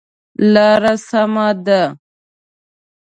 لاره سمه ده؟